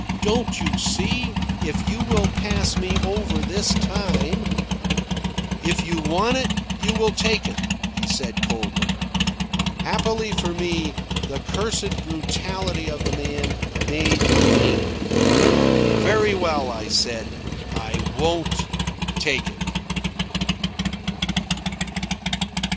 "Don't you see, if you will pass me over this time " "If you want it you will take it," he said coldly. Happily for me, the cursed brutality of the man made me angry. "Very well," I said. "I won't take it."